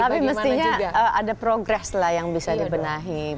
tapi mestinya ada progres lah yang bisa dibenahi